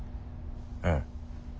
うん。